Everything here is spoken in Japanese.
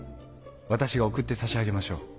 私が送ってさしあげましょう。